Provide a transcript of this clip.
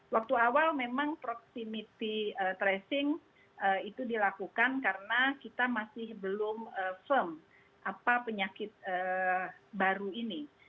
waktu awal memang proximity tracing itu dilakukan karena kita masih belum firm apa penyakit baru ini